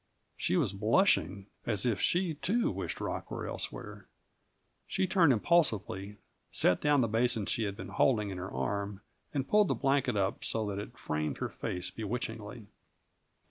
She was blushing, as if she, too, wished Rock elsewhere. She turned impulsively, set down the basin she had been holding in her arm, and pulled the blanket up so that it framed her face bewitchingly.